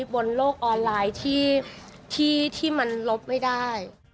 บนโลกออนไลน์ที่มันลบไม่ได้